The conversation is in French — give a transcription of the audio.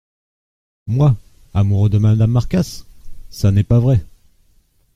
Moi ! amoureux de madame Marcasse ?… ça n’est pas vrai !…